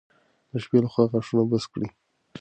د شپې لخوا غاښونه برس کړئ.